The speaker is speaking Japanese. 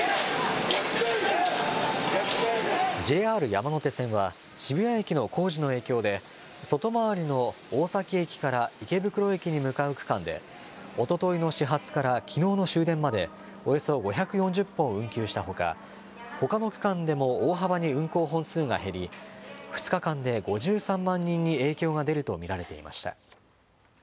ＪＲ山手線は、渋谷駅の工事の影響で、外回りの大崎駅から池袋駅に向かう区間で、おとといの始発からきのうの終電まで、およそ５４０本運休したほか、ほかの区間でも大幅に運行本数が減り、２日間で５３万人に影響が出ると見られていました。